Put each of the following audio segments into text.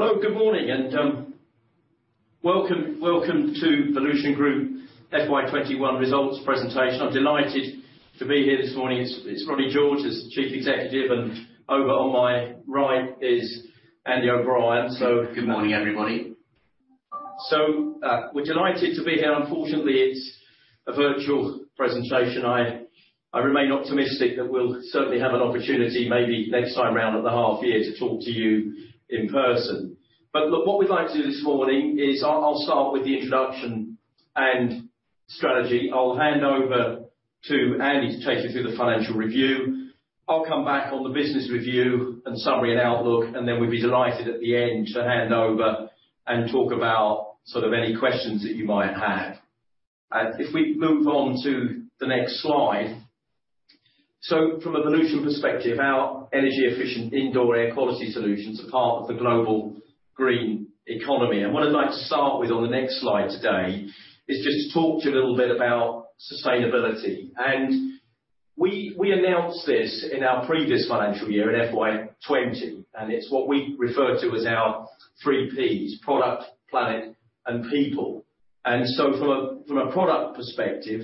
Hello, good morning, and welcome to Volution Group FY 2021 results presentation. I'm delighted to be here this morning. It's Ronnie George as Chief Executive Officer, and over on my right is Andy O'Brien. Good morning, everybody. We're delighted to be here. Unfortunately, it's a virtual presentation. I remain optimistic that we'll certainly have an opportunity, maybe next time around at the half year, to talk to you in person. Look, what we'd like to do this morning is, I'll start with the introduction and strategy. I'll hand over to Andy to take you through the financial review. I'll come back on the business review and summary and outlook, and then we'll be delighted at the end to hand over and talk about any questions that you might have. If we move on to the next slide. From a Volution perspective, our energy efficient indoor air quality solutions are part of the global green economy. What I'd like to start with on the next slide today is just talk to you a little bit about sustainability. We announced this in our previous financial year in FY 2020, and it's what we refer to as our three Ps: product, planet, and people. From a product perspective,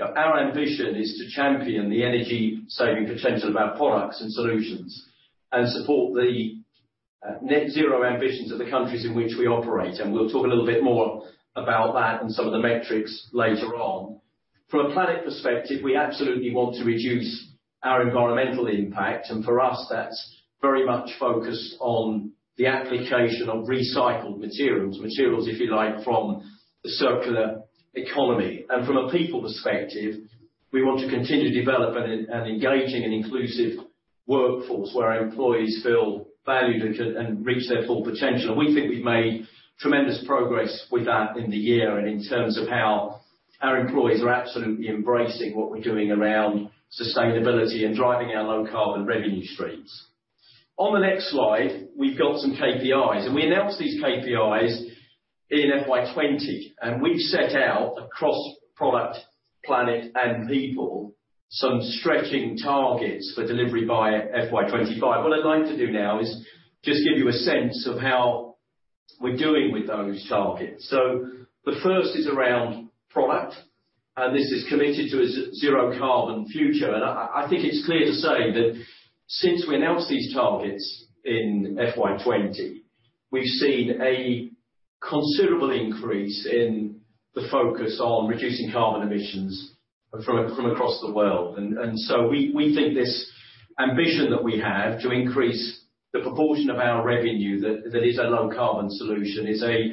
our ambition is to champion the energy-saving potential of our products and solutions and support the net zero ambitions of the countries in which we operate. We'll talk a little bit more about that and some of the metrics later on. From a planet perspective, we absolutely want to reduce our environmental impact, and for us, that's very much focused on the application of recycled materials, if you like, from the circular economy. From a people perspective, we want to continue to develop an engaging and inclusive workforce where our employees feel valued and can reach their full potential. We think we've made tremendous progress with that in the year and in terms of how our employees are absolutely embracing what we're doing around sustainability and driving our low carbon revenue streams. On the next slide, we've got some KPIs, and we announced these KPIs in FY 2020, and we've set out across product, planet, and people some stretching targets for delivery by FY 2025. What I'd like to do now is just give you a sense of how we're doing with those targets. The first is around product, and this is committed to a zero carbon future. I think it's clear to say that since we announced these targets in FY 2020, we've seen a considerable increase in the focus on reducing carbon emissions from across the world. We think this ambition that we have to increase the proportion of our revenue that is a low-carbon solution is a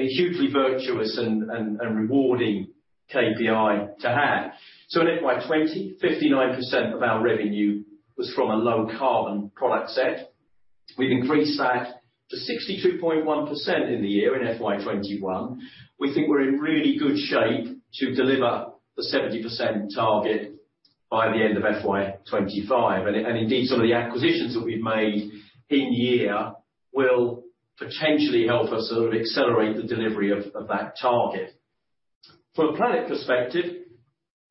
hugely virtuous and rewarding KPI to have. In FY 2020, 59% of our revenue was from a low-carbon product set. We've increased that to 62.1% in the year in FY 2021. We think we're in really good shape to deliver the 70% target by the end of FY 2025. Indeed, some of the acquisitions that we've made in year will potentially help us sort of accelerate the delivery of that target. From a planet perspective,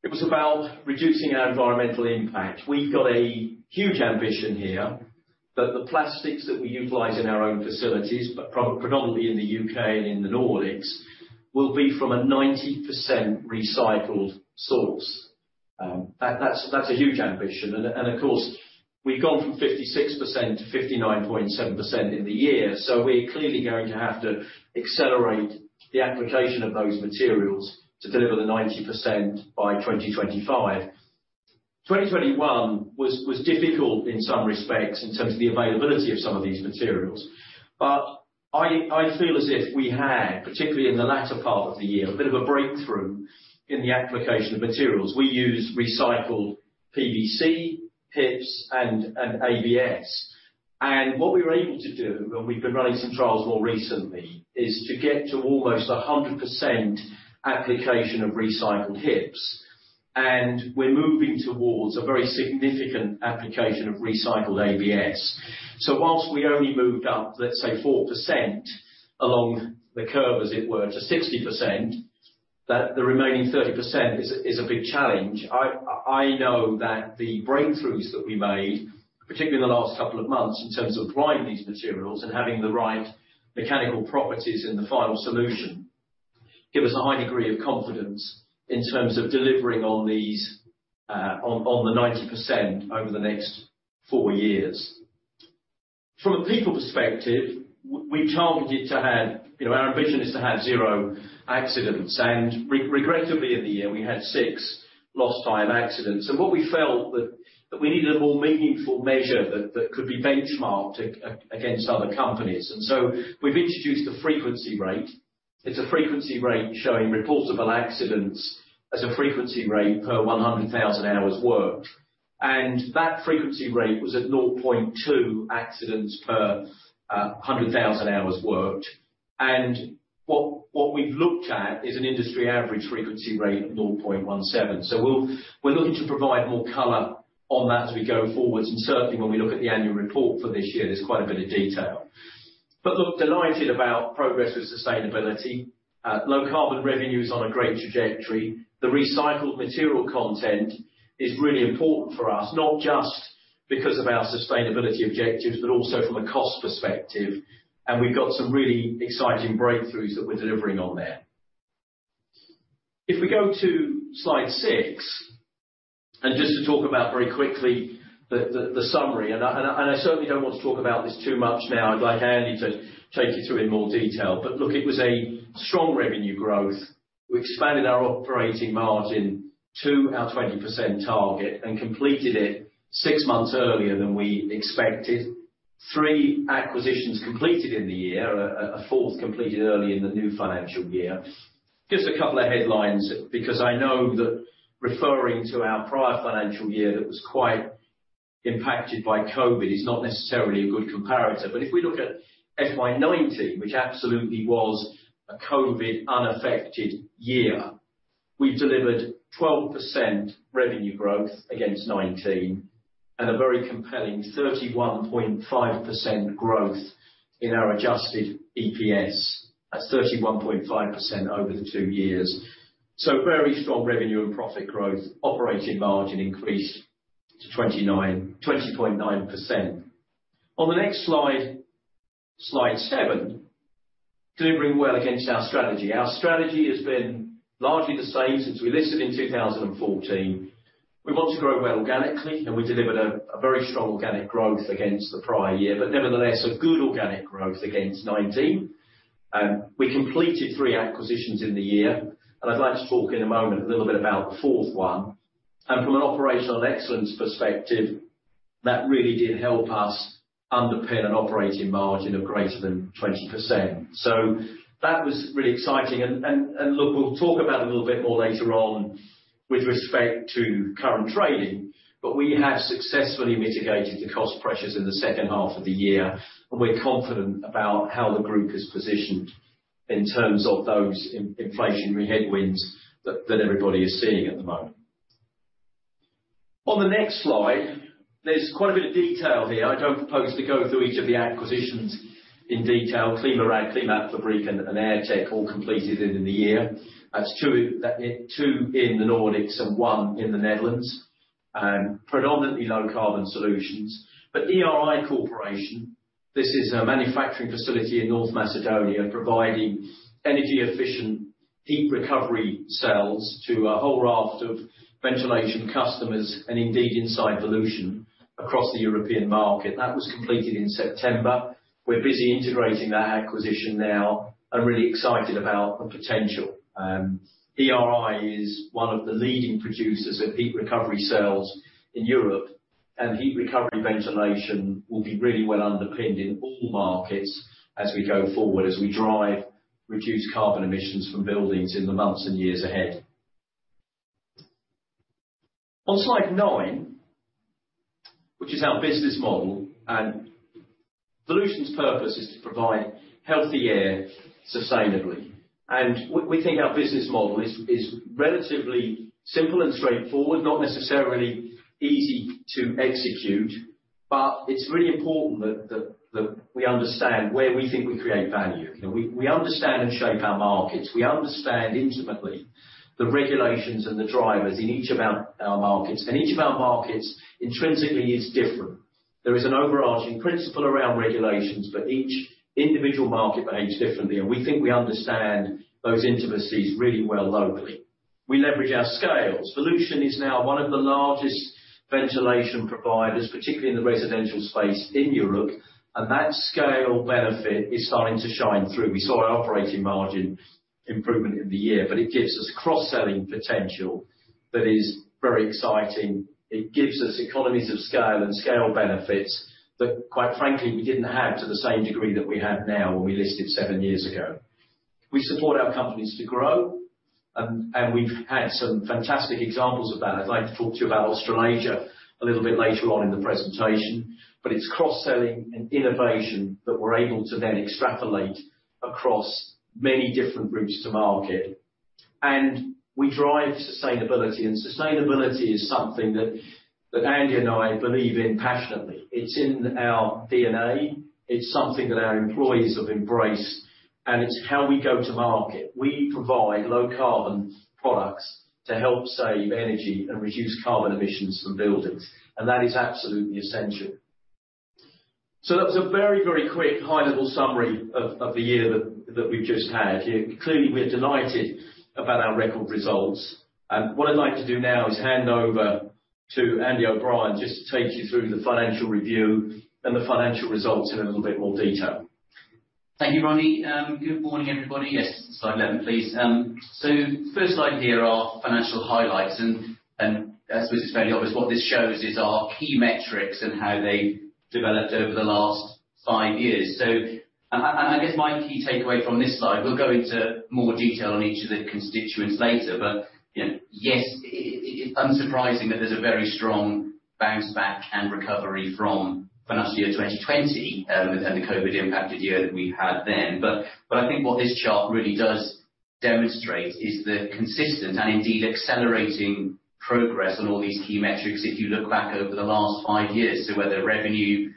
it was about reducing our environmental impact. We've got a huge ambition here that the plastics that we utilize in our own facilities, predominantly in the U.K. and in the Nordics, will be from a 90% recycled source. That's a huge ambition. Of course, we've gone from 56%-59.7% in the year, we're clearly going to have to accelerate the application of those materials to deliver the 90% by 2025. 2021 was difficult in some respects in terms of the availability of some of these materials. I feel as if we had, particularly in the latter part of the year, a bit of a breakthrough in the application of materials. We use recycled PVC, HIPS, and ABS. What we were able to do, and we've been running some trials more recently, is to get to almost 100% application of recycled HIPS. We're moving towards a very significant application of recycled ABS. Whilst we only moved up, let's say 4% along the curve, as it were, to 60%, the remaining 30% is a big challenge. I know that the breakthroughs that we made, particularly in the last couple of months, in terms of driving these materials and having the right mechanical properties in the final solution, give us a high degree of confidence in terms of delivering on the 90% over the next four years. From a people perspective, our ambition is to have zero accidents and regrettably in the year, we had six lost time accidents. What we felt that we needed a more meaningful measure that could be benchmarked against other companies. We've introduced a frequency rate. It's a frequency rate showing reportable accidents as a frequency rate per 100,000 hours worked. That frequency rate was at 0.2 accidents per 100,000 hours worked. What we've looked at is an industry average frequency rate of 0.17. We're looking to provide more color on that as we go forwards, and certainly when we look at the annual report for this year, there's quite a bit of detail. But look, delighted about progress with sustainability. Low carbon revenue is on a great trajectory. The recycled material content is really important for us, not just because of our sustainability objectives, but also from a cost perspective, and we've got some really exciting breakthroughs that we're delivering on there. If we go to Slide six, and just to talk about very quickly the summary, and I certainly don't want to talk about this too much now, I'd like Andy to take you through in more detail. Look, it was a strong revenue growth. We expanded our operating margin to our 20% target and completed it six months earlier than we expected. Three acquisitions completed in the year, a fourth completed early in the new financial year. A couple of headlines because I know that referring to our prior financial year that was quite impacted by COVID is not necessarily a good comparator. If we look at FY 2019, which absolutely was a COVID unaffected year, we delivered 12% revenue growth against 2019, and a very compelling 31.5% growth in our adjusted EPS. That's 31.5% over the two years. Very strong revenue and profit growth, operating margin increased to 20.9%. On the next slide, Slide seven, delivering well against our strategy. Our strategy has been largely the same since we listed in 2014. We want to grow well organically, and we delivered a very strong organic growth against the prior year, but nevertheless, a good organic growth against 2019. We completed three acquisitions in the year, and I'd like to talk in a moment a little bit about the fourth one. From an operational excellence perspective, that really did help us underpin an operating margin of greater than 20%. That was really exciting, and look, we'll talk about a little bit more later on with respect to current trading, but we have successfully mitigated the cost pressures in the second half of the year, and we're confident about how the group is positioned in terms of those inflationary headwinds that everybody is seeing at the moment. On the next slide, there's quite a bit of detail here. I don't propose to go through each of the acquisitions in detail. ClimaRad, Klimatfabriken, and Airtech all completed in the year. That's two in the Nordics and one in the Netherlands. Predominantly low carbon solutions. ERI Corporation, this is a manufacturing facility in North Macedonia providing energy efficient heat recovery cells to a whole raft of ventilation customers and indeed inside Volution across the European market. That was completed in September. We're busy integrating that acquisition now and really excited about the potential. ERI is one of the leading producers of heat recovery cells in Europe, and heat recovery ventilation will be really well underpinned in all markets as we go forward, as we drive reduced carbon emissions from buildings in the months and years ahead. On Slide nine, which is our business model, Volution's purpose is to provide healthy air sustainably. We think our business model is relatively simple and straightforward, not necessarily easy to execute, but it's really important that we understand where we think we create value. We understand and shape our markets. We understand intimately the regulations and the drivers in each of our markets, and each of our markets intrinsically is different. There is an overarching principle around regulations, but each individual market behaves differently, and we think we understand those intimacies really well locally. We leverage our scales. Volution is now one of the largest ventilation providers, particularly in the residential space in Europe, and that scale benefit is starting to shine through. We saw operating margin improvement in the year, but it gives us cross-selling potential that is very exciting. It gives us economies of scale and scale benefits that quite frankly, we didn't have to the same degree that we have now when we listed seven years ago. We support our companies to grow, and we've had some fantastic examples of that. I'd like to talk to you about Australasia a little bit later on in the presentation, but it's cross-selling and innovation that we're able to then extrapolate across many different routes to market. We drive sustainability, and sustainability is something that Andy and I believe in passionately. It's in our DNA. It's something that our employees have embraced, and it's how we go to market. We provide low carbon products to help save energy and reduce carbon emissions from buildings, and that is absolutely essential. That was a very quick, high level summary of the year that we've just had here. Clearly, we are delighted about our record results. What I'd like to do now is hand over to Andy O'Brien just to take you through the financial review and the financial results in a little bit more detail. Thank you, Ronnie. Good morning, everybody. Yes, Slide 11, please. First slide here, our financial highlights, and I suppose it's fairly obvious, what this shows is our key metrics and how they developed over the last five years. I guess my key takeaway from this slide, we'll go into more detail on each of the constituents later, but yes, it's unsurprising that there's a very strong bounce back and recovery from financial year 2020, and the COVID-19 impacted year that we had then. I think what this chart really does demonstrate is the consistent and indeed accelerating progress on all these key metrics, if you look back over the last five years. Whether revenue,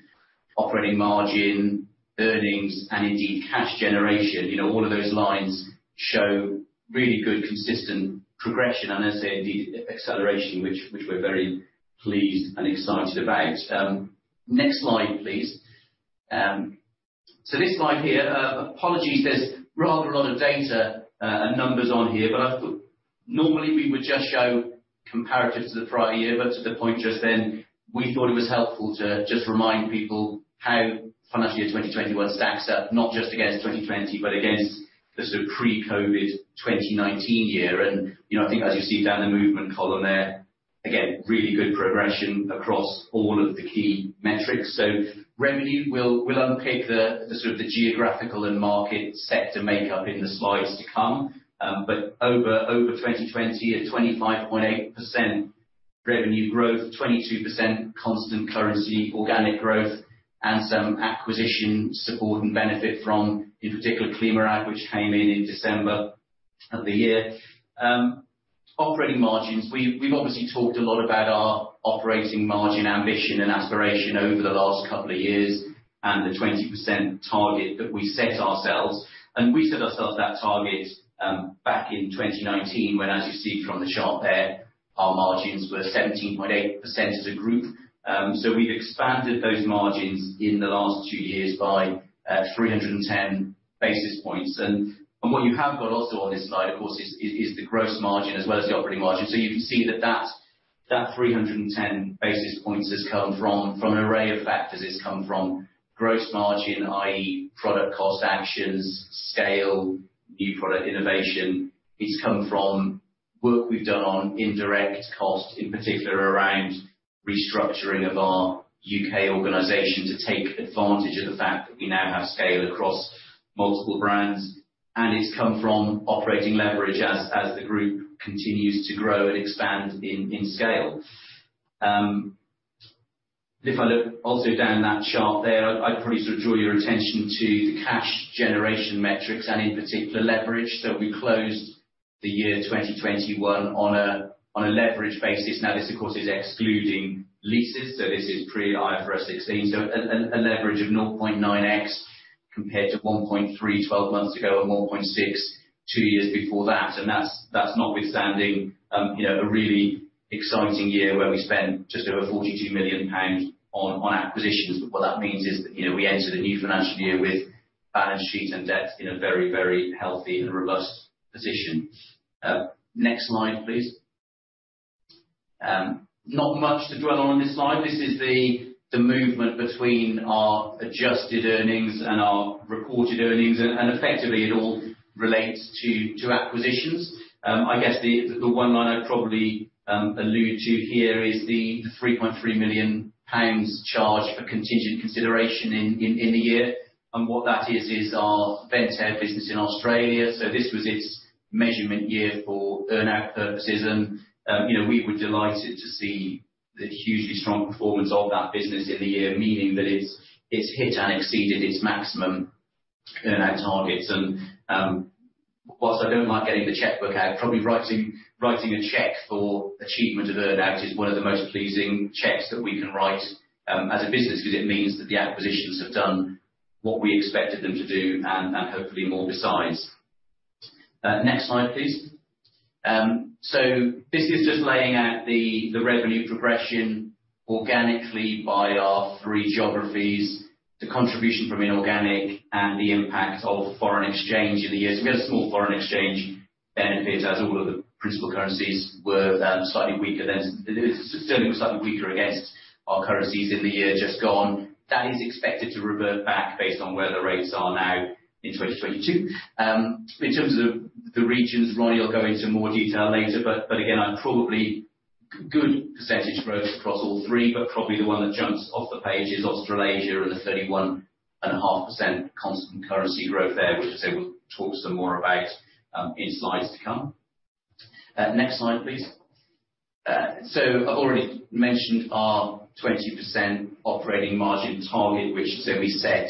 operating margin, earnings and indeed cash generation, all of those lines show really good consistent progression and I say indeed acceleration, which we're very pleased and excited about. Next slide, please. This slide here, apologies, there is rather a lot of data and numbers on here, I thought normally we would just show comparatives to the prior year, to the point just then, we thought it was helpful to just remind people how FY 2021 stacks up, not just against 2020, but against the pre-COVID-19 year. I think as you see down the movement column there, again, really good progression across all of the key metrics. Revenue, we will unpick the geographical and market sector makeup in the slides to come. Over 2020 at 25.8% revenue growth, 22% constant currency organic growth and some acquisition support and benefit from, in particular ClimaRad, which came in December of the year. Operating margins. We've obviously talked a lot about our operating margin ambition and aspiration over the last couple of years and the 20% target that we set ourselves. We set ourselves that target back in 2019 when, as you see from the chart there, our margins were 17.8% as a group. We've expanded those margins in the last two years by 310 basis points. What you have got also on this slide, of course, is the gross margin as well as the operating margin. You can see that that 310 basis points has come from an array of factors. It's come from gross margin, i.e., product cost actions, scale, new product innovation. It's come from work we've done on indirect cost, in particular around restructuring of our U.K. organization to take advantage of the fact that we now have scale across multiple brands. It's come from operating leverage as the group continues to grow and expand in scale. If I look also down that chart there, I'd probably draw your attention to the cash generation metrics and in particular leverage. We closed the year 2021 on a leverage basis. Now this of course is excluding leases, so this is pre IFRS 16. A leverage of 0.9x compared to 1.3x twelve months ago and 1.6x two years before that. That's notwithstanding a really exciting year where we spent just over 42 million pounds on acquisitions. What that means is that we enter the new financial year with balance sheet and debt in a very, very healthy and robust position. Next slide, please. Not much to dwell on this slide. This is the movement between our adjusted earnings and our reported earnings, and effectively it all relates to acquisitions. I guess the one line I'd probably allude to here is the 3.3 million pounds charge for contingent consideration in the year. What that is our Ventair business in Australia. This was its measurement year for earn out purposes, and we were delighted to see the hugely strong performance of that business in the year, meaning that it's hit and exceeded its maximum earn out targets. Whilst I don't like getting the checkbook out, probably writing a check for achievement of earn out is one of the most pleasing checks that we can write as a business, because it means that the acquisitions have done what we expected them to do and hopefully more besides. Next slide, please. This is just laying out the revenue progression organically by our three geographies, the contribution from inorganic and the impact of foreign exchange in the year. We had a small foreign exchange benefit as all of the principal currencies Certainly were slightly weaker against our currencies in the year just gone. That is expected to revert back based on where the rates are now in 2022. In terms of the regions, Ronnie will go into more detail later, but again, probably good percentage growth across all three, but probably the one that jumps off the page is Australasia and the 31.5% constant currency growth there, which I say we will talk some more about in slides to come. Next slide, please. I have already mentioned our 20% operating margin target, which as I said we set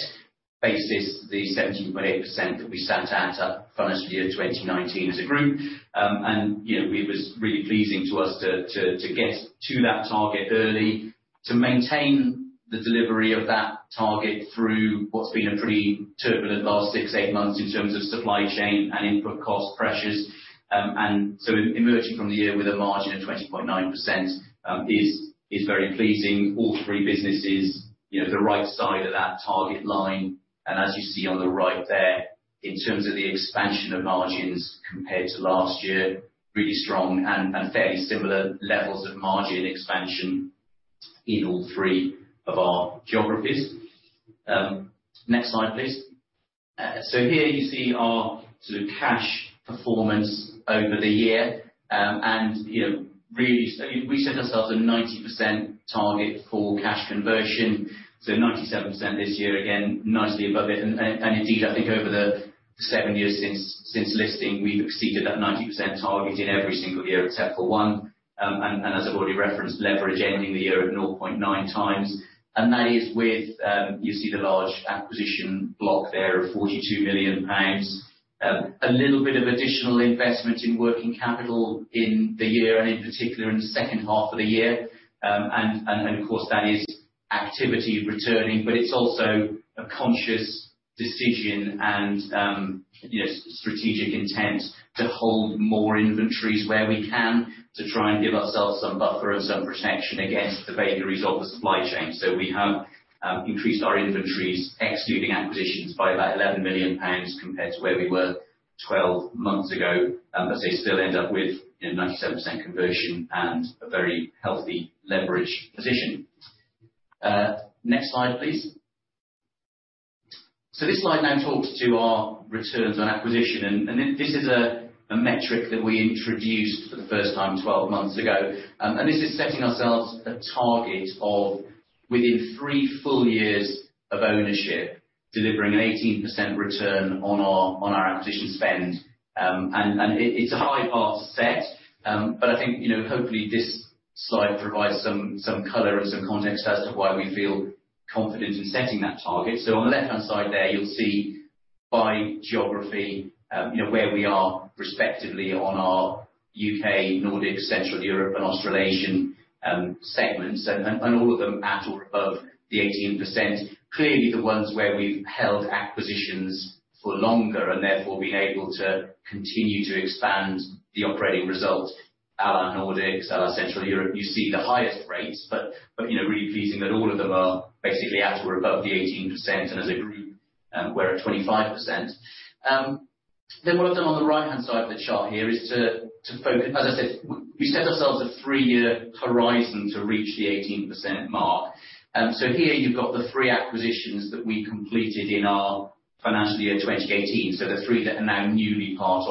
basis the 17.8% that we sat at our financial year 2019 as a group. It was really pleasing to us to get to that target early, to maintain the delivery of that target through what's been a pretty turbulent last six, eight months in terms of supply chain and input cost pressures. Emerging from the year with a margin of 20.9% is very pleasing. All three businesses, the right side of that target line. As you see on the right there, in terms of the expansion of margins compared to last year, really strong and fairly similar levels of margin expansion in all three of our geographies. Next slide, please. Here you see our cash performance over the year. Really, we set ourselves a 90% target for cash conversion. 97% this year, again, nicely above it. Indeed, I think over the seven years since listing, we've exceeded that 90% target in every single year except for one. As I've already referenced, leverage ending the year at 0.9x. That is with, you see the large acquisition block there of 42 million pounds. A little bit of additional investment in working capital in the year and in particular in the second half of the year. Of course, that is activity returning, but it's also a conscious decision and strategic intent to hold more inventories where we can, to try and give ourselves some buffer and some protection against the vagaries of the supply chain. We have increased our inventories, excluding acquisitions, by about 11 million pounds compared to where we were 12 months ago. They still end up with 97% conversion and a very healthy leverage position. Next slide, please. This slide now talks to our returns on acquisition, and this is a metric that we introduced for the first time 12 months ago. This is setting ourselves a target of within three full years of ownership, delivering an 18% return on our acquisition spend. It's a high bar to set, but I think, hopefully this slide provides some color and some context as to why we feel confident in setting that target. On the left-hand side there, you'll see by geography where we are respectively on our U.K., Nordic, Central Europe, and Australasian segments. All of them at or above the 18%. Clearly, the ones where we've held acquisitions for longer and therefore been able to continue to expand the operating result, our Nordics, our Central Europe, you see the highest rates. Really pleasing that all of them are basically at or above the 18%, and as a group, we're at 25%. What I've done on the right-hand side of the chart here is to focus. As I said, we set ourselves a three-year horizon to reach the 18% mark. Here you've got the three acquisitions that we completed in our financial year 2018. The three that are now newly part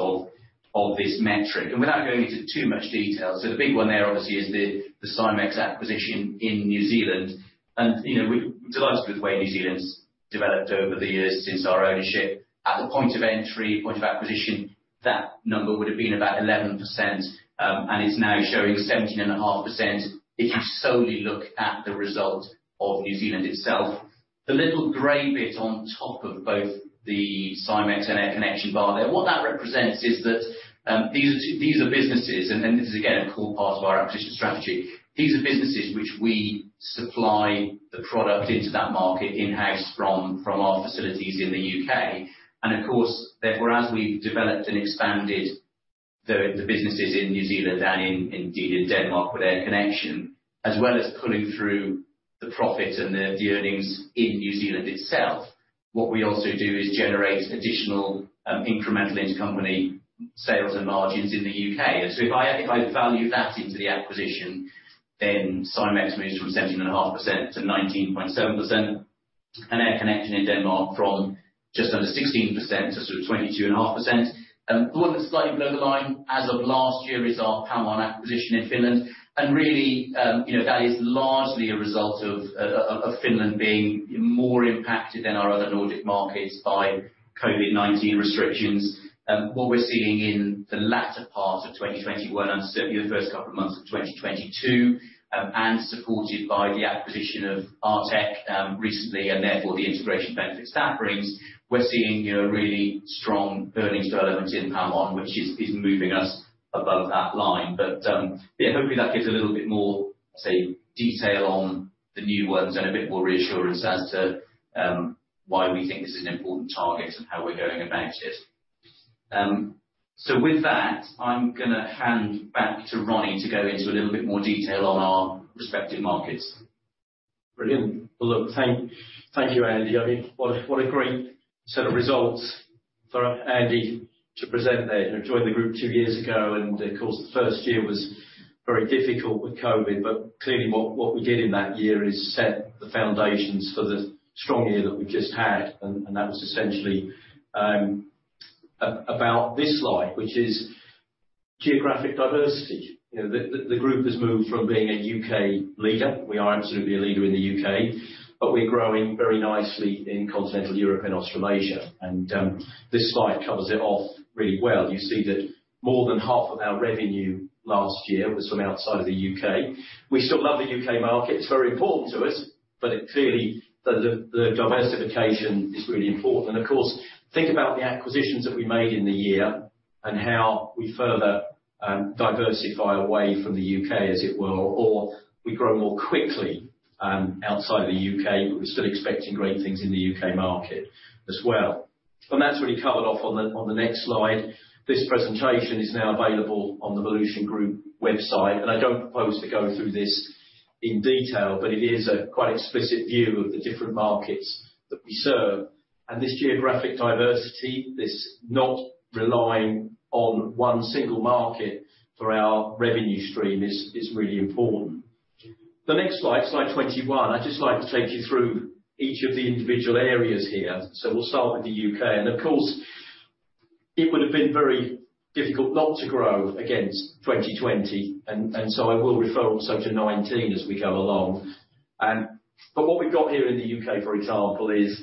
of this metric. Without going into too much detail, the big one there obviously is the Simx Limited acquisition in New Zealand. We're delighted with the way New Zealand's developed over the years since our ownership. At the point of entry, point of acquisition, that number would have been about 11%, and it's now showing 17.5% if you solely look at the result of New Zealand itself. The little gray bit on top of both the Simx Limited and Air Connection bar there, what that represents is that these are businesses. This is, again, a core part of our acquisition strategy. These are businesses which we supply the product into that market in-house from our facilities in the U.K. Of course, therefore, as we've developed and expanded the businesses in New Zealand and indeed in Denmark with Air Connection, as well as pulling through the profit and the earnings in New Zealand itself, what we also do is generate additional incremental intercompany sales and margins in the U.K. If I value that into the acquisition, then Simx moves from 17.5%-19.7%, and Air Connection in Denmark from just under 16%-22.5%. The one that's slightly below the line, as of last year, is our Oy Pamon Ab acquisition in Finland. Really, that is largely a result of Finland being more impacted than our other Nordic markets by COVID-19 restrictions. What we're seeing in the latter part of 2021 and certainly the first couple of months of 2022, and supported by the acquisition of Airtech recently, and therefore the integration benefits that brings, we're seeing a really strong earnings development in Oy Pamon Ab, which is moving us above that line. Hopefully that gives a little bit more, say, detail on the new ones and a bit more reassurance as to why we think this is an important target and how we're going about it. With that, I'm going to hand back to Ronnie to go into a little bit more detail on our respective markets. Brilliant. Well, look, thank you, Andy. What a great set of results for Andy to present there. Joined the group two years ago, and of course, the 1st year was very difficult with COVID-19, but clearly what we did in that year is set the foundations for the strong year that we just had. That was essentially about this slide, which is geographic diversity. The group has moved from being a U.K. leader. We are absolutely a leader in the U.K., but we're growing very nicely in continental Europe and Australasia. This slide covers it off really well. You see that more than half of our revenue last year was from outside of the U.K. We still love the U.K. market. It's very important to us, but clearly the diversification is really important. Of course, think about the acquisitions that we made in the year and how we further diversify away from the U.K., as it were, or we grow more quickly outside the U.K., but we're still expecting great things in the U.K. market as well. That's really covered off on the next slide. This presentation is now available on the Volution Group website, and I don't propose to go through this in detail, but it is a quite explicit view of the different markets that we serve. This geographic diversity, this not relying on one single market for our revenue stream is really important. The next slide 21, I'd just like to take you through each of the individual areas here. We'll start with the U.K. Of course, it would have been very difficult not to grow against 2020. I will refer also to 2019 as we go along. What we've got here in the U.K., for example, is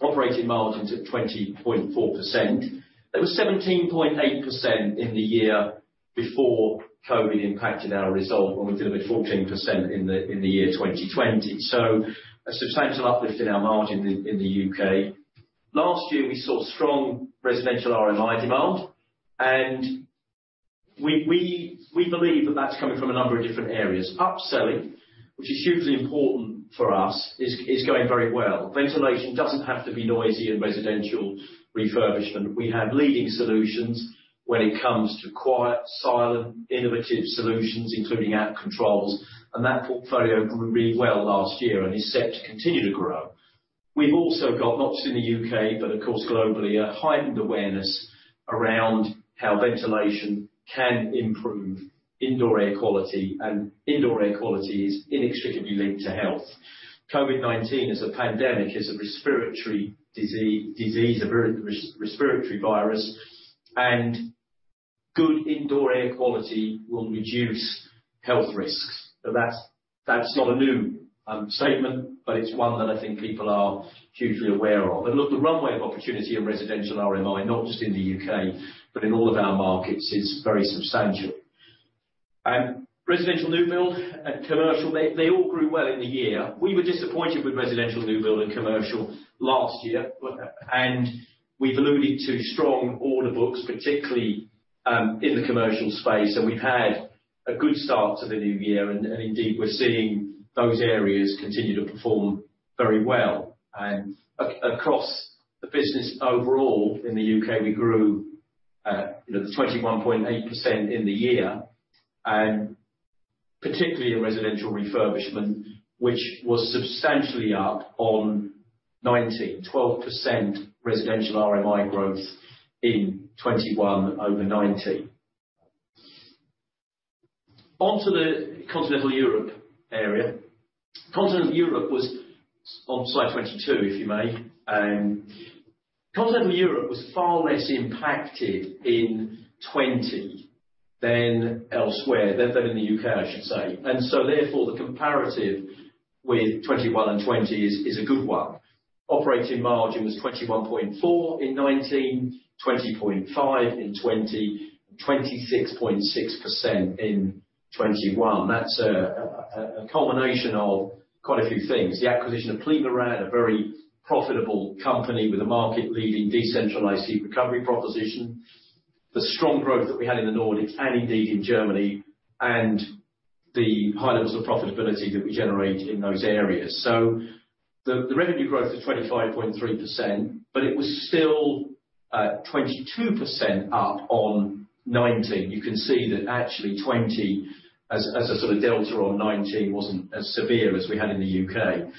operating margins of 20.4%. That was 17.8% in the year before COVID impacted our result. We did about 14% in the year 2020. A substantial uplift in our margin in the U.K. Last year, we saw strong residential RMI demand. We believe that that's coming from a number of different areas. Up-selling, which is hugely important for us, is going very well. Ventilation doesn't have to be noisy in residential refurbishment. We have leading solutions when it comes to quiet, silent, innovative solutions, including app controls. That portfolio grew really well last year and is set to continue to grow. We've also got, not just in the U.K., but of course globally, a heightened awareness around how ventilation can improve indoor air quality, and indoor air quality is inextricably linked to health. COVID-19 as a pandemic, as a respiratory disease, a respiratory virus, and good indoor air quality will reduce health risks. That's not a new statement, but it's one that I think people are hugely aware of. Look, the runway of opportunity in residential RMI, not just in the U.K., but in all of our markets, is very substantial. Residential new build and commercial, they all grew well in the year. We were disappointed with residential new build and commercial last year. We've alluded to strong order books, particularly in the commercial space. We've had a good start to the new year. Indeed, we're seeing those areas continue to perform very well. Across the business overall in the U.K., we grew at 21.8% in the year, particularly in residential refurbishment, which was substantially up on 2019, 12% residential RMI growth in 2021 over 2019. On to the Continental Europe area. On slide 22, if you may. Continental Europe was far less impacted in 2020 than elsewhere, than in the U.K., I should say, therefore, the comparative with 2021 and 2020 is a good one. Operating margin was 21.4% in 2019, 20.5% in 2020, 26.6% in 2021. That's a culmination of quite a few things. The acquisition of ClimaRad, a very profitable company with a market-leading decentralized heat recovery proposition, the strong growth that we had in the Nordics, and indeed in Germany, and the high levels of profitability that we generate in those areas. The revenue growth of 25.3%, but it was still at 22% up on 2019. You can see that actually 2020, as a sort of delta on 2019, wasn't as severe as we had in the U.K.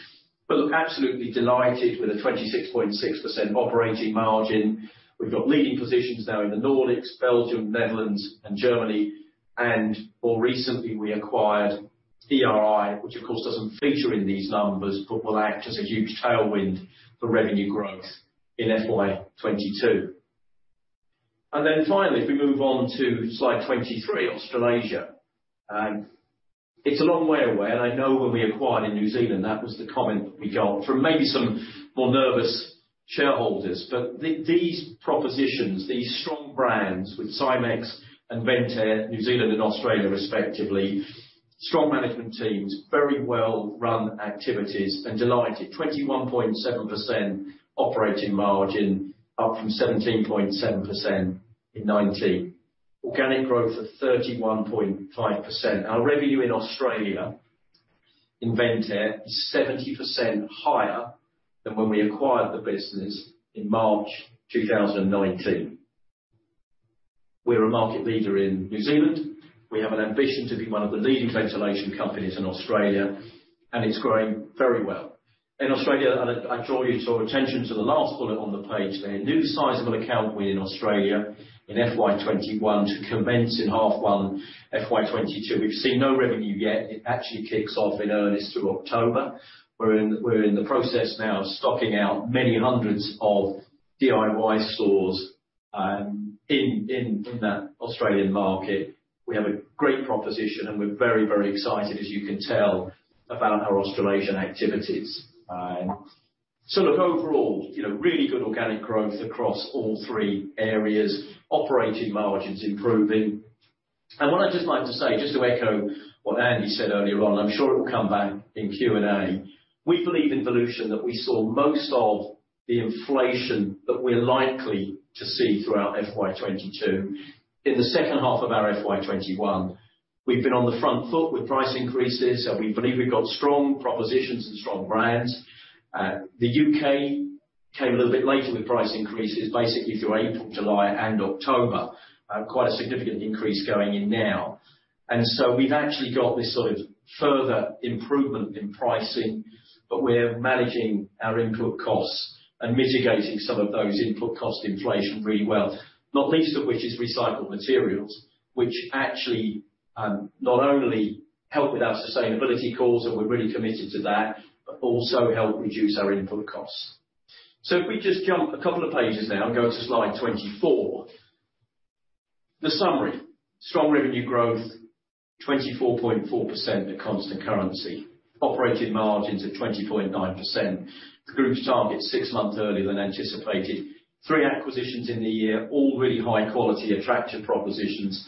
Look, absolutely delighted with the 26.6% operating margin. We've got leading positions now in the Nordics, Belgium, Netherlands, and Germany, and more recently, we acquired ERI, which of course, doesn't feature in these numbers but will act as a huge tailwind for revenue growth in FY 2022. Finally, if we move on to slide 23, Australasia. It's a long way away, and I know when we acquired in New Zealand, that was the comment that we got from maybe some more nervous shareholders. These propositions, these strong brands with Simx Limited and Ventair, New Zealand and Australia respectively, strong management teams, very well-run activities, and delighted, 21.7% operating margin up from 17.7% in 2019. Organic growth of 31.5%. Our revenue in Australia in Ventair is 70% higher than when we acquired the business in March 2019. We're a market leader in New Zealand. We have an ambition to be one of the leading ventilation companies in Australia, and it's growing very well. In Australia, I draw you to our attention to the last bullet on the page there. New sizable account win in Australia in FY 2021 to commence in half one FY 2022. We've seen no revenue yet. It actually kicks off in earnest through October. We're in the process now of stocking out many hundreds of DIY stores in that Australian market. We have a great proposition, and we're very excited, as you can tell, about our Australasian activities. Look, overall, really good organic growth across all three areas, operating margins improving. What I'd just like to say, just to echo what Andy said earlier on, I'm sure it will come back in Q&A, we believe in Volution that we saw most of the inflation that we're likely to see throughout FY 2022. In the second half of our FY 2021, we've been on the front foot with price increases, and we believe we've got strong propositions and strong brands. The U.K. came a little bit later with price increases, basically through April, July, and October. Quite a significant increase going in now. We've actually got this sort of further improvement in pricing, but we're managing our input costs and mitigating some of those input cost inflation really well, not least of which is recycled materials, which actually not only help with our sustainability cause, and we're really committed to that, but also help reduce our input costs. If we just jump a couple of pages now and go to slide 24. The summary, strong revenue growth, 24.4% at constant currency. Operating margins at 20.9%. The group's target six months earlier than anticipated. Three acquisitions in the year, all really high quality, attractive propositions,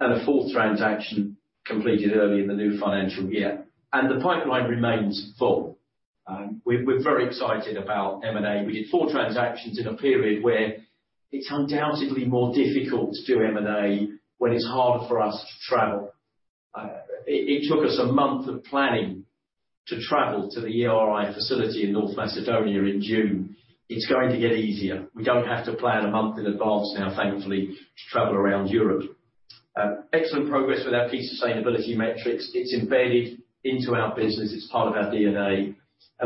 and a fourth transaction completed early in the new financial year. The pipeline remains full. We're very excited about M&A. We did four transactions in a period where it's undoubtedly more difficult to do M&A, when it's harder for us to travel. It took us one month of planning to travel to the ERI facility in North Macedonia in June. It's going to get easier. We don't have to plan one month in advance now, thankfully, to travel around Europe. Excellent progress with our key sustainability metrics. It's embedded into our business. It's part of our DNA.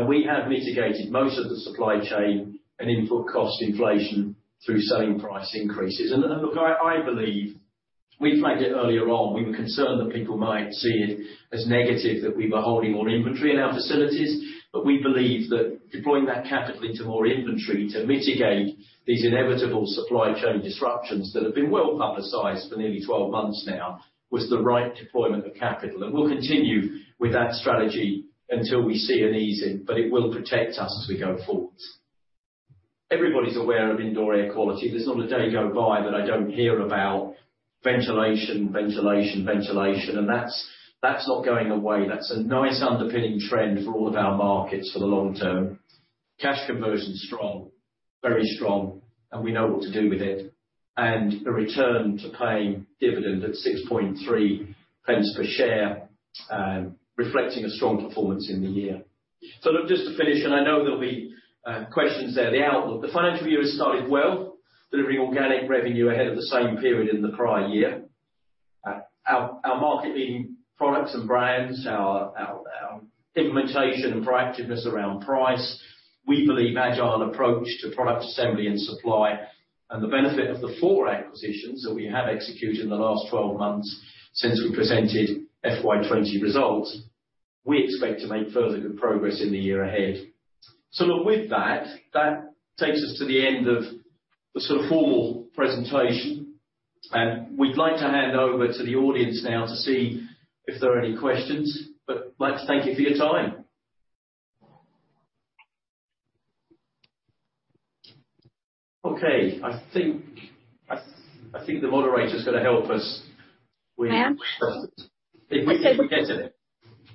We have mitigated most of the supply chain and input cost inflation through selling price increases. Look, I believe we flagged it earlier on, we were concerned that people might see it as negative that we were holding more inventory in our facilities. We believe that deploying that capital into more inventory to mitigate these inevitable supply chain disruptions that have been well-publicized for nearly 12 months now, was the right deployment of capital. We'll continue with that strategy until we see an easing. It will protect us as we go forward. Everybody's aware of indoor air quality. There's not a day go by that I don't hear about ventilation, ventilation. That's not going away. That's a nice underpinning trend for all of our markets for the long term. Cash conversion is strong, very strong, and we know what to do with it. The return to paying dividend at 0.063 per share, reflecting a strong performance in the year. Look, just to finish, and I know there'll be questions there. The outlook. The financial year has started well, delivering organic revenue ahead of the same period in the prior year. Our market-leading products and brands, our implementation and proactiveness around price, we believe agile approach to product assembly and supply, and the benefit of the four acquisitions that we have executed in the last 12 months since we presented FY 2020 results, we expect to make further good progress in the year ahead. With that takes us to the end of the formal presentation, and we'd like to hand over to the audience now to see if there are any questions. We'd like to thank you for your time. Okay. I think the moderator's going to help us with. Ma'am if we get to them.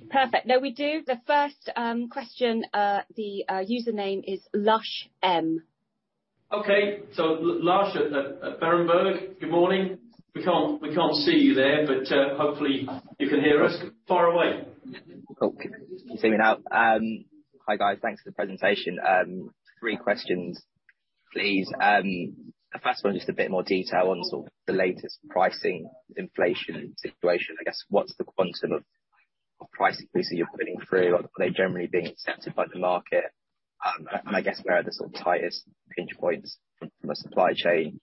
Perfect. No, we do. The first question, the username is Lushanthan Mahendrarajah. Okay. Lushanthan at Berenberg, good morning. We can't see you there, but hopefully you can hear us. Far away. Cool. Can see me now. Hi, guys. Thanks for the presentation. Three questions, please. The first one, just a bit more detail on sort of the latest pricing inflation situation. I guess, what's the quantum of price increase that you're putting through? Are they generally being accepted by the market? I guess, where are the sort of tightest pinch points from a supply chain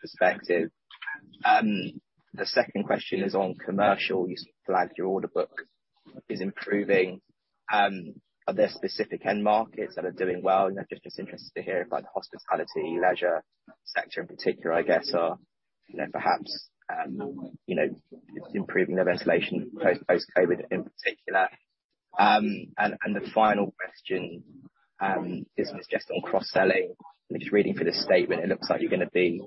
perspective? The second question is on commercial. You flagged your order book is improving. Are there specific end markets that are doing well? Just interested to hear if like the hospitality, leisure sector in particular, I guess are perhaps, improving their ventilation post-COVID-19 in particular. The final question, this one is just on cross-selling. Just reading through the statement, it looks like you're gonna be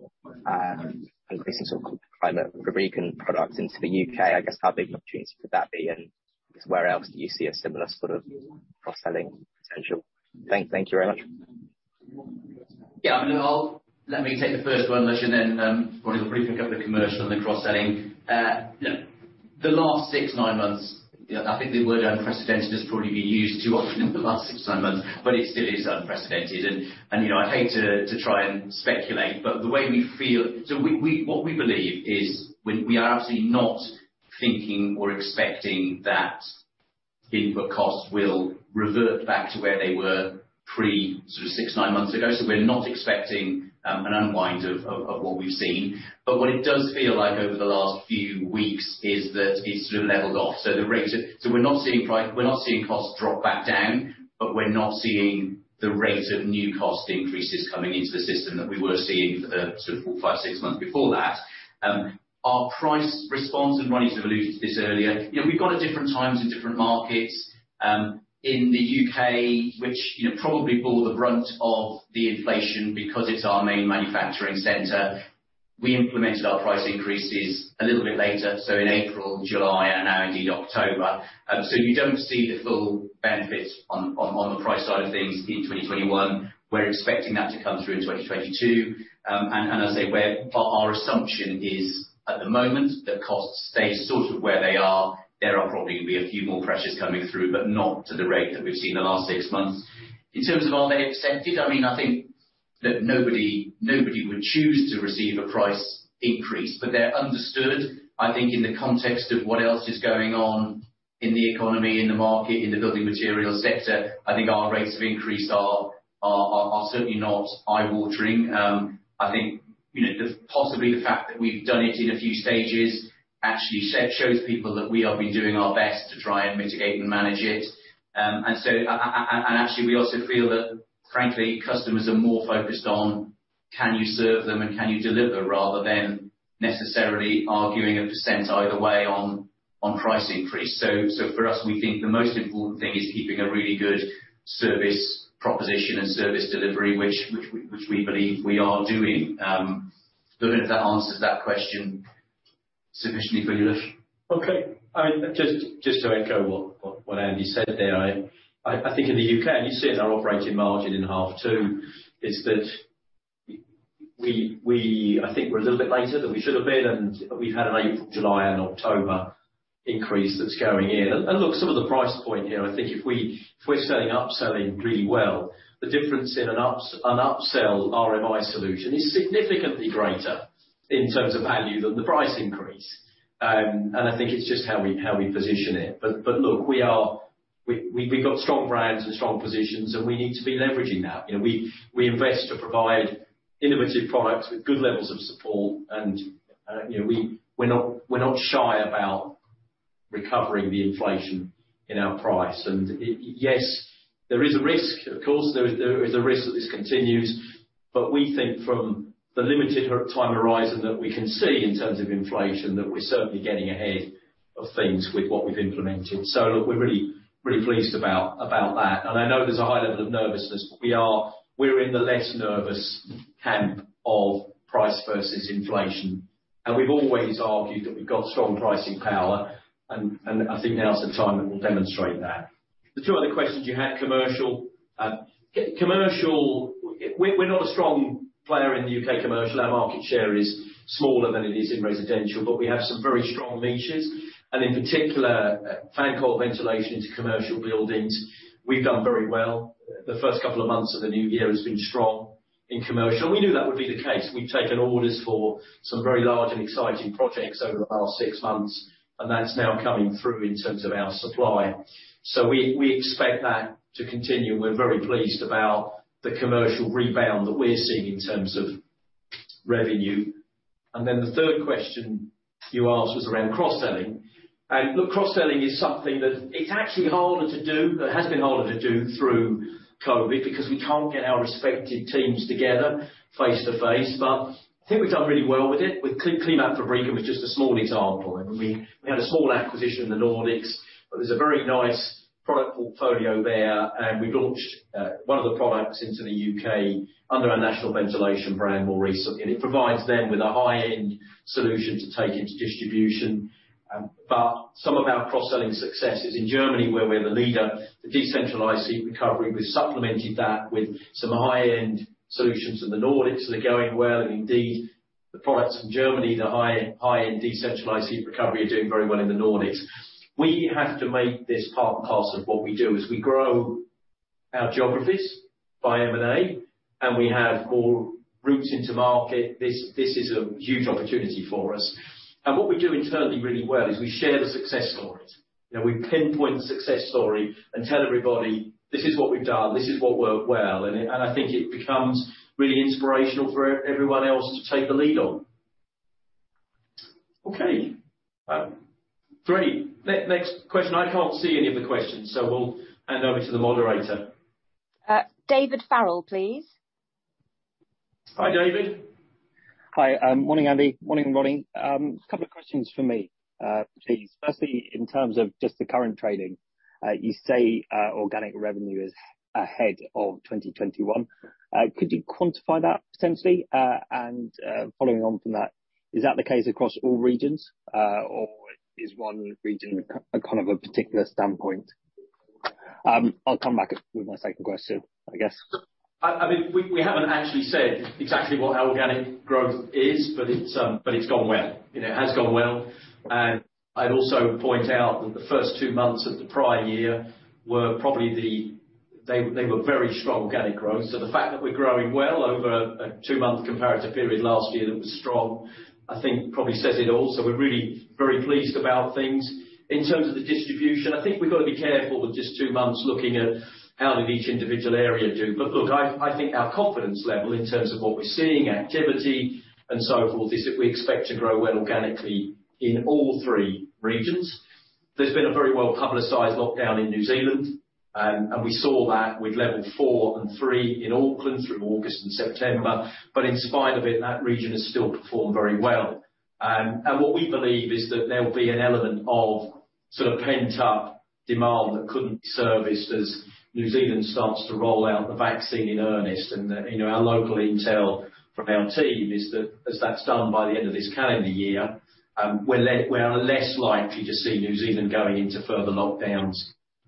increasing sort of ClimaRad products into the U.K. I guess, how big an opportunity could that be, and I guess where else do you see a similar sort of cross-selling potential? Thank you very much. Yeah, let me take the first one, Lush, and then Ronnie will probably pick up the commercial and the cross-selling. The last six, nine months, I think the word unprecedented has probably been used too often in the last six, nine months, it still is unprecedented. I hate to try and speculate. What we believe is, we are absolutely not thinking or expecting that input costs will revert back to where they were pre six, nine months ago. We're not expecting an unwind of what we've seen. What it does feel like over the last few weeks is that it's sort of leveled off. We're not seeing costs drop back down, we're not seeing the rate of new cost increases coming into the system that we were seeing for the sort of four, five, six months before that. Our price response, Ronnie sort of alluded to this earlier, we've gone at different times in different markets. In the U.K., which probably bore the brunt of the inflation because it's our main manufacturing center, we implemented our price increases a little bit later, so in April, July, and now indeed October. You don't see the full benefits on the price side of things in 2021. We're expecting that to come through in 2022. As I say, our assumption is at the moment that costs stay sort of where they are. There are probably going to be a few more pressures coming through, but not to the rate that we've seen in the last six months. In terms of are they accepted, I think that nobody would choose to receive a price increase, but they're understood, I think, in the context of what else is going on in the economy, in the market, in the building materials sector. I think our rates of increase are certainly not eye-watering. I think possibly the fact that we've done it in a few stages. Actually shows people that we have been doing our best to try and mitigate and manage it. Actually, we also feel that frankly, customers are more focused on can you serve them and can you deliver, rather than necessarily arguing a percent either way on price increase. For us, we think the most important thing is keeping a really good service proposition and service delivery, which we believe we are doing. Don't know if that answers that question sufficiently for you, Lush. Just to echo what Andy said there, I think in the U.K., and you see it in our operating margin in H2, is that I think we're a little bit later than we should have been, and we've had an April, July and October increase that's going in. Look, some of the price point here, I think if we're selling upselling really well, the difference in an upsell RMI solution is significantly greater in terms of value than the price increase. I think it's just how we position it. Look, we've got strong brands and strong positions. We need to be leveraging that. We invest to provide innovative products with good levels of support. We're not shy about recovering the inflation in our price. Yes, there is a risk, of course, there is a risk that this continues, but we think from the limited time horizon that we can see in terms of inflation, that we're certainly getting ahead of things with what we've implemented. Look, we're really pleased about that. I know there's a high level of nervousness, but we're in the less nervous camp of price versus inflation, and we've always argued that we've got strong pricing power, and I think now is the time that we'll demonstrate that. The two other questions you had, commercial. Commercial, we're not a strong player in the U.K. commercial. Our market share is smaller than it is in residential, but we have some very strong niches and in particular fan coil ventilation into commercial buildings. We've done very well. The first couple of months of the new year has been strong in commercial. We knew that would be the case. We've taken orders for some very large and exciting projects over the past six months, and that's now coming through in terms of our supply. We expect that to continue, and we're very pleased about the commercial rebound that we're seeing in terms of revenue. The third question you asked was around cross-selling. Look, cross-selling is something that it's actually harder to do, but has been harder to do through COVID-19, because we can't get our respective teams together face-to-face. I think we've done pretty well with it, with Klimatfabriken was just a small example, and we had a small acquisition in the Nordics, but there's a very nice product portfolio there, and we launched one of the products into the U.K. under our National Ventilation brand more recently. It provides them with a high-end solution to take into distribution. Some of our cross-selling successes in Germany, where we're the leader, the decentralized heat recovery, we've supplemented that with some high-end solutions in the Nordics that are going well, and indeed the products from Germany, the high-end decentralized heat recovery are doing very well in the Nordics. We have to make this part and parcel of what we do, as we grow our geographies by M&A, and we have more routes into market. This is a huge opportunity for us. What we do internally really well is we share the success stories. We pinpoint the success story and tell everybody, "This is what we've done, this is what worked well." I think it becomes really inspirational for everyone else to take the lead on. Okay. Great. Next question. I can't see any of the questions, we'll hand over to the moderator. David Farrell, please. Hi, David. Hi. Morning, Andy. Morning, Ronnie. A couple questions from me, please. Firstly, in terms of just the current trading, you say organic revenue is ahead of 2021. Could you quantify that potentially? Following on from that, is that the case across all regions, or is one region kind of a particular standpoint? I'll come back with my second question, I guess. We haven't actually said exactly what our organic growth is, but it's gone well. It has gone well. I'd also point out that the first two months of the prior year were very strong organic growth. The fact that we're growing well over a two-month comparative period last year that was strong, I think probably says it all. We're really very pleased about things. In terms of the distribution, I think we've got to be careful with just two months looking at how did each individual area do. Look, I think our confidence level in terms of what we're seeing, activity and so forth, is that we expect to grow well organically in all three regions. There's been a very well-publicized lockdown in New Zealand, and we saw that with level 4 and 3 in Auckland through August and September, but in spite of it, that region has still performed very well. What we believe is that there will be an element of sort of pent-up demand that couldn't be serviced as New Zealand starts to roll out the vaccine in earnest. Our local intel from our team is that as that's done by the end of this calendar year, we're less likely to see New Zealand going into further lockdowns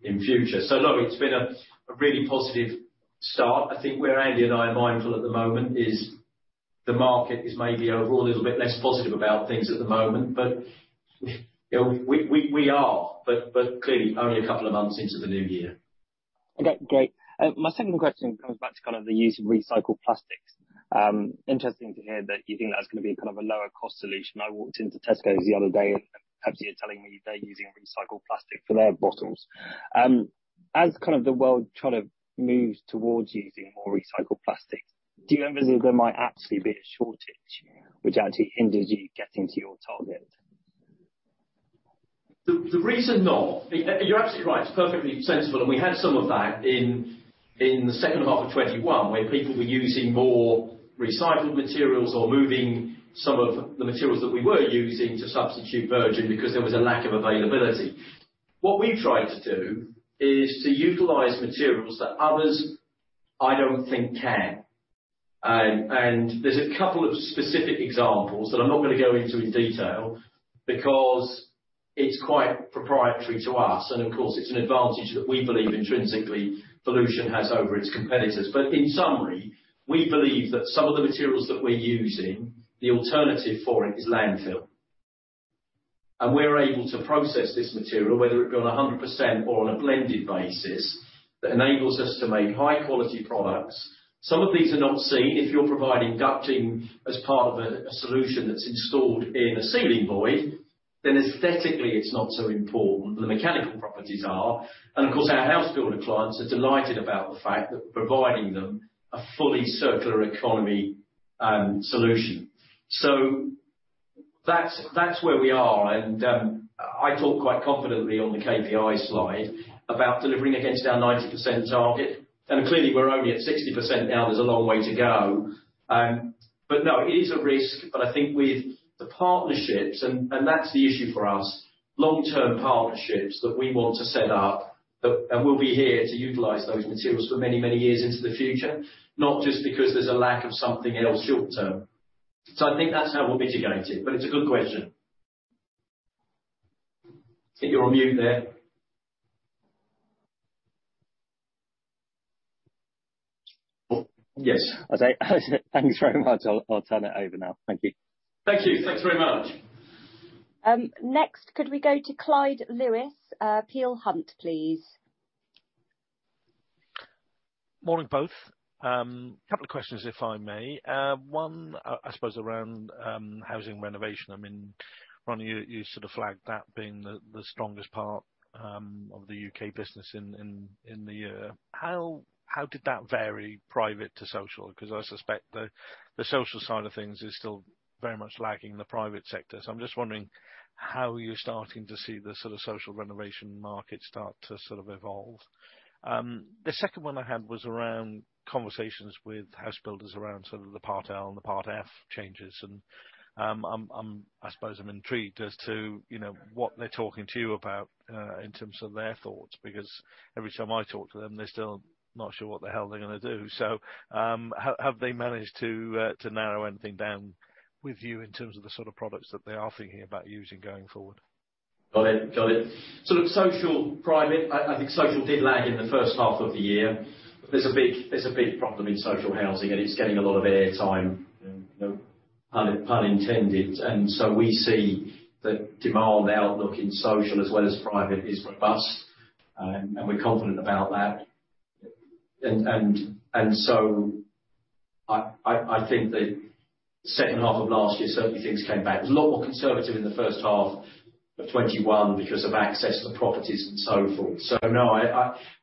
in future. Look, it's been a really positive start. I think where Andy and I are mindful at the moment is the market is maybe overall a little bit less positive about things at the moment. We are, but clearly only a couple of months into the new year. Okay, great. My second question comes back to kind of the use of recycled plastics. Interesting to hear that you think that's going to be kind of a lower cost solution. I walked into Tesco the other day and Pepsi are telling me they're using recycled plastic for their bottles. As the world moves towards using more recycled plastics, do you ever think there might actually be a shortage which actually hinders you getting to your target? You're absolutely right. It's perfectly sensible. We had some of that in the second half of 2021, where people were using more recycled materials or moving some of the materials that we were using to substitute virgin because there was a lack of availability. What we've tried to do is to utilize materials that others, I don't think can. There's a couple of specific examples that I'm not going to go into in detail because it's quite proprietary to us, and of course, it's an advantage that we believe intrinsically Volution has over its competitors. In summary, we believe that some of the materials that we're using, the alternative for it is landfill. We're able to process this material, whether it be on 100% or on a blended basis, that enables us to make high-quality products. Some of these are not seen. If you're providing ducting as part of a solution that's installed in a ceiling void, then aesthetically, it's not so important. The mechanical properties are. Of course, our house builder clients are delighted about the fact that we're providing them a fully circular economy solution. That's where we are, and I talk quite confidently on the KPI slide about delivering against our 90% target. Clearly, we're only at 60% now. There's a long way to go. No, it is a risk, but I think with the partnerships, and that's the issue for us, long-term partnerships that we want to set up, and we'll be here to utilize those materials for many, many years into the future, not just because there's a lack of something else short term. I think that's how we'll mitigate it, but it's a good question. I think you're on mute there. Okay. Thanks very much. I'll turn it over now. Thank you. Thank you. Thanks very much. Next, could we go to Clyde Lewis, Peel Hunt, please? Morning, both. A couple of questions, if I may. One, I suppose around housing renovation. Ronnie, you sort of flagged that being the strongest part of the U.K. business in the year. How did that vary private to social? I suspect the social side of things is still very much lagging the private sector. I'm just wondering how you're starting to see the sort of social renovation market start to sort of evolve. The second one I had was around conversations with house builders around the Part L and the Part F changes. I suppose I'm intrigued as to what they're talking to you about, in terms of their thoughts, every time I talk to them, they're still not sure what the hell they're going to do. Have they managed to narrow anything down with you in terms of the sort of products that they are thinking about using going forward? Got it. Got it. Social, private, I think social did lag in the first half of the year. There's a big problem in social housing, and it's getting a lot of air time, no pun intended. We see that demand outlook in social as well as private is robust, and we're confident about that. I think the second half of last year, certainly things came back. It was a lot more conservative in the first half of 2021 because of access to properties and so forth. No,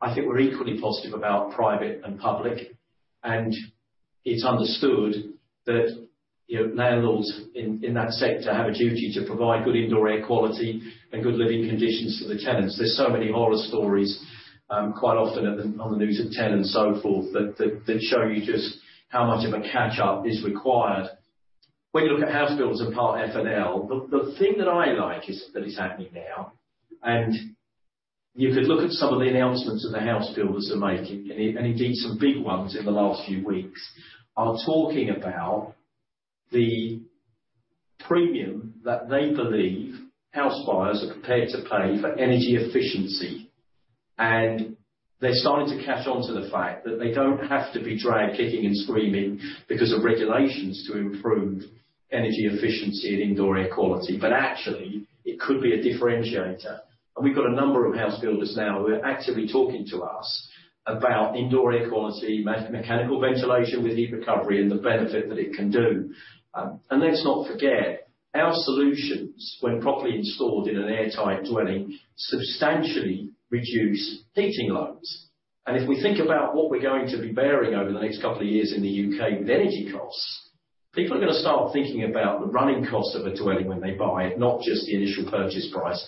I think we're equally positive about private and public, and it's understood that landlords in that sector have a duty to provide good indoor air quality and good living conditions for the tenants. There are so many horror stories, quite often on the news at 10:00 and so forth, that show you just how much of a catch-up is required. When you look at house builders and Part F and L, the thing that I like is that it's happening now. You could look at some of the announcements that the house builders are making, and indeed, some big ones in the last few weeks are talking about the premium that they believe house buyers are prepared to pay for energy efficiency. They're starting to catch on to the fact that they don't have to be dragged kicking and screaming because of regulations to improve energy efficiency and indoor air quality. Actually, it could be a differentiator. We've got a number of house builders now who are actively talking to us about indoor air quality, mechanical ventilation with heat recovery, and the benefit that it can do. Let's not forget, our solutions, when properly installed in an airtight dwelling, substantially reduce heating loads. If we think about what we're going to be bearing over the next couple of years in the U.K. with energy costs, people are going to start thinking about the running cost of a dwelling when they buy it, not just the initial purchase price.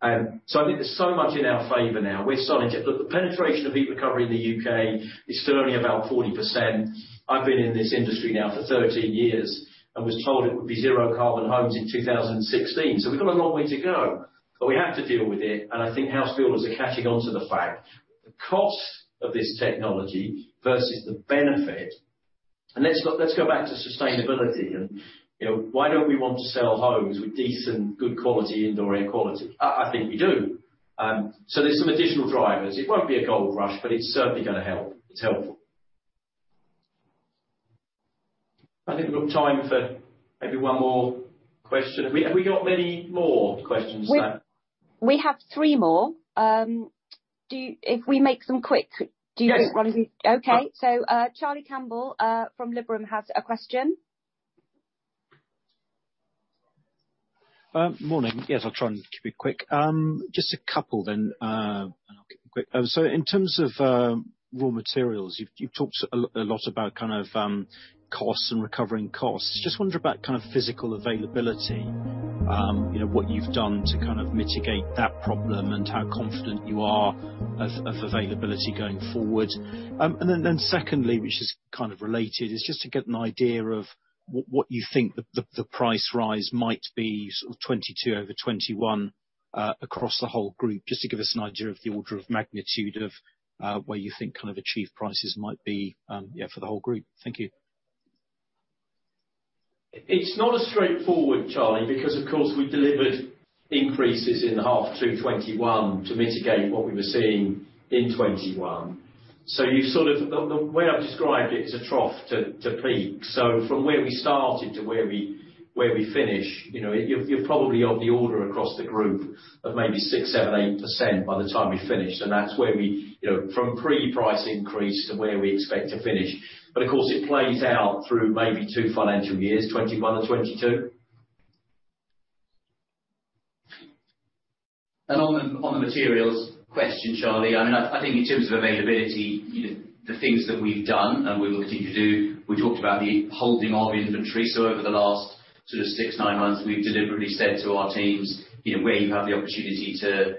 I think there's so much in our favor now. The penetration of heat recovery in the U.K. is still only about 40%. I've been in this industry now for 13 years and was told it would be zero carbon homes in 2016. We've got a long way to go, but we have to deal with it, and I think house builders are catching on to the fact the cost of this technology versus the benefit. Let's go back to sustainability and why don't we want to sell homes with decent, good quality indoor air quality? I think we do. There are some additional drivers. It won't be a gold rush, but it's certainly going to help. It's helpful. I think we've got time for maybe one more question. Have we got many more questions? We have three more. If we make some quick, do you think, Ronnie? Yes. Okay. Charlie Campbell from Liberum has a question. Morning. Yes, I'll try and keep it quick. Just a couple then, and I'll keep them quick. In terms of raw materials, you've talked a lot about costs and recovering costs. Just wonder about physical availability, what you've done to mitigate that problem and how confident you are of availability going forward. Secondly, which is kind of related, is just to get an idea of what you think the price rise might be sort of 2022 over 2021, across the whole group, just to give us an idea of the order of magnitude of where you think achieved prices might be, yeah, for the whole group. Thank you. It's not as straightforward, Charlie, because of course we delivered increases in the H2 2021 to mitigate what we were seeing in 2021. The way I've described it's a trough to peak. From where we started to where we finish, you're probably of the order across the group of maybe 6%, 7%, 8% by the time we're finished. From pre-price increase to where we expect to finish. Of course, it plays out through maybe two financial years, 2021 and 2022. On the materials question, Charlie, I think in terms of availability, the things that we've done and we will continue to do, we talked about the holding of inventory. Over the last sort of six, nine months, we've deliberately said to our teams, where you have the opportunity to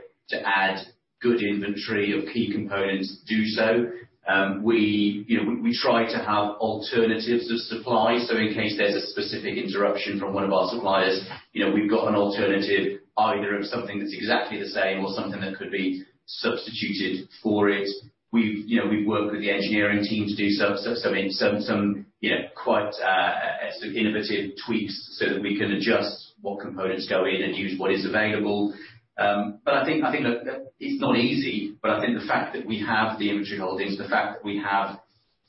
add good inventory of key components, do so. We try to have alternatives of supply, so in case there is a specific interruption from one of our suppliers, we've got an alternative either of something that's exactly the same or something that could be substituted for it. We've worked with the engineering team to do some quite innovative tweaks so that we can adjust what components go in and use what is available. It's not easy, but I think the fact that we have the inventory holdings, the fact that we have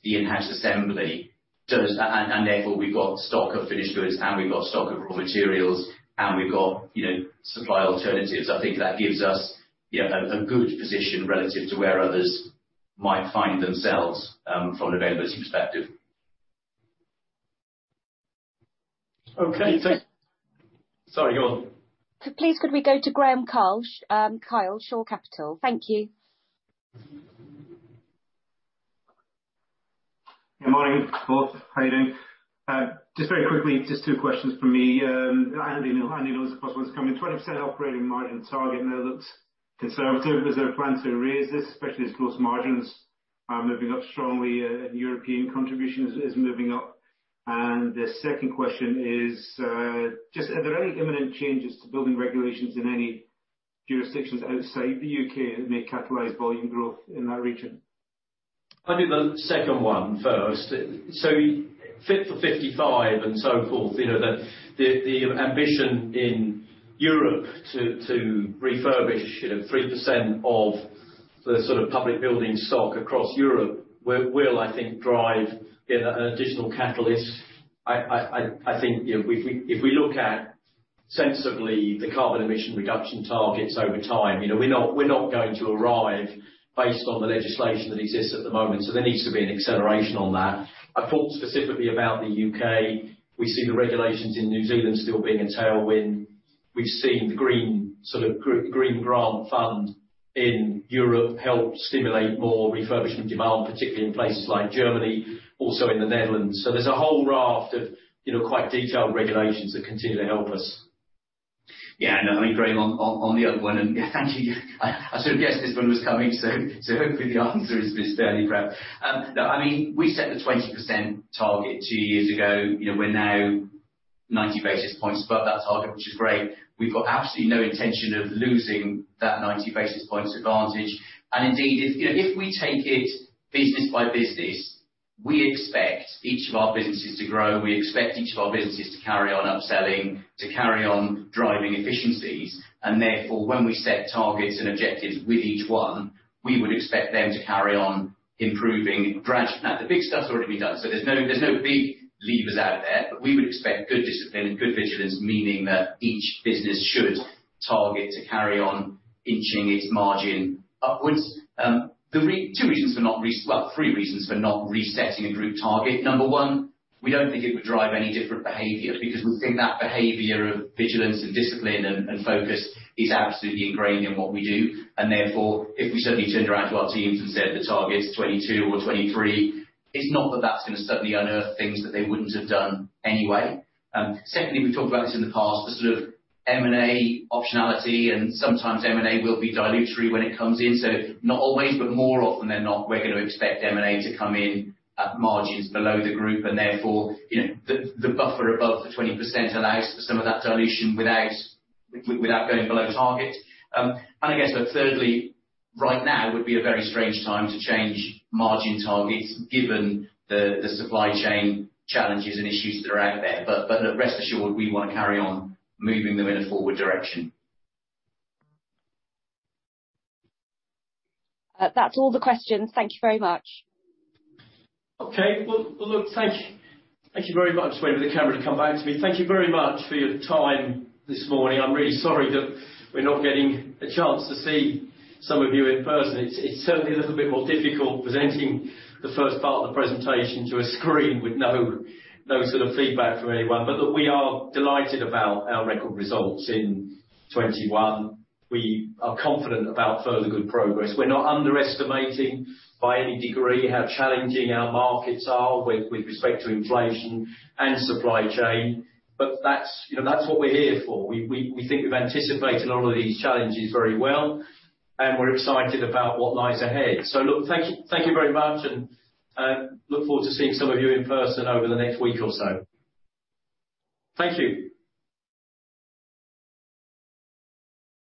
the enhanced assembly, and therefore we've got stock of finished goods and we've got stock of raw materials and we've got supply alternatives, I think that gives us a good position relative to where others might find themselves from an availability perspective. Please could we go to Graeme Kyle, Shore Capital. Thank you. Good morning, both. How you doing? Just very quickly, just two questions from me. I only know this question was coming. 20% operating margin target now looks conservative. Is there a plan to raise this, especially as gross margins are moving up strongly and European contribution is moving up? The second question is just are there any imminent changes to building regulations in any jurisdictions outside the U.K. that may catalyze volume growth in that region? I'll do the second one first. Fit for 55 and so forth, the ambition in Europe to refurbish 3% of the sort of public building stock across Europe will, I think, drive an additional catalyst. I think if we look at sensibly the carbon emission reduction targets over time, we're not going to arrive based on the legislation that exists at the moment, so there needs to be an acceleration on that. I thought specifically about the U.K. We see the regulations in New Zealand still being a tailwind. We've seen the green grant fund in Europe help stimulate more refurbishment demand, particularly in places like Germany, also in the Netherlands. There's a whole raft of quite detailed regulations that continue to help us. Yeah, I know. Graeme, on the other one, thank you. I sort of guessed this one was coming, hopefully the answer is fairly prep. No, we set the 20% target two years ago. We're now 90 basis points above that target, which is great. We've got absolutely no intention of losing that 90 basis points advantage. Indeed, if we take it business by business, we expect each of our businesses to grow, we expect each of our businesses to carry on upselling, to carry on driving efficiencies, therefore, when we set targets and objectives with each one, we would expect them to carry on improving gradually. Now, the big stuff's already been done, there's no big levers out of there. We would expect good discipline and good vigilance, meaning that each business should target to carry on inching its margin upwards. Three reasons for not resetting a group target. Number one, we don't think it would drive any different behavior because we think that behavior of vigilance and discipline and focus is absolutely ingrained in what we do, and therefore, if we suddenly turned around to our teams and said the target's 2022 or 2023, it's not that that's going to suddenly unearth things that they wouldn't have done anyway. Secondly, we've talked about this in the past, the sort of M&A optionality, and sometimes M&A will be dilutory when it comes in. Not always, but more often than not, we're going to expect M&A to come in at margins below the group, and therefore the buffer above the 20% allows for some of that dilution without going below target. I guess thirdly, right now would be a very strange time to change margin targets given the supply chain challenges and issues that are out there. Rest assured, we want to carry on moving them in a forward direction. That's all the questions. Thank you very much. Okay. Well, look, thank you very much. Waiting for the camera to come back to me. Thank you very much for your time this morning. I'm really sorry that we're not getting a chance to see some of you in person. It's certainly a little bit more difficult presenting the first part of the presentation to a screen with no sort of feedback from anyone. Look, we are delighted about our record results in 2021. We are confident about further good progress. We're not underestimating by any degree how challenging our markets are with respect to inflation and supply chain. That's what we're here for. We think we've anticipated a lot of these challenges very well, and we're excited about what lies ahead. Look, thank you very much, and look forward to seeing some of you in person over the next week or so. Thank you.